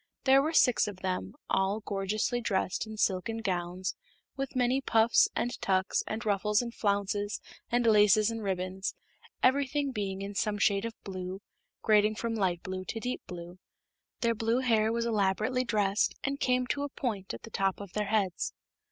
There were six of them, all gorgeously dressed in silken gowns with many puffs and tucks and ruffles and flounces and laces and ribbons, everything being in some shade of blue, grading from light blue to deep blue. Their blue hair was elaborately dressed and came to a point at the top of their heads.